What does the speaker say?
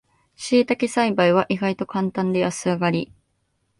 しいたけ栽培は意外とカンタンで安上がり